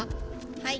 はい。